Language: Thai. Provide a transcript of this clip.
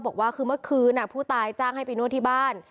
บอกว่าคือเมื่อคืนผู้ตายจ้างให้ไปนวดที่บ้าน